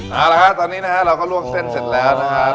เอาละครับตอนนี้เราก็ลวงเส้นเสร็จแล้วนะครับ